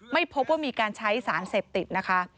ไม่พบว่ามีการใช้สารเสพติดนะคะ